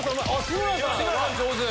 志村さん上手。